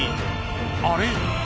［あれ？